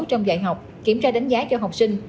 trong dạy học kiểm tra đánh giá cho học sinh